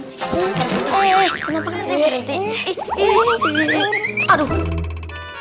eh kenapa kena tiba tiba ini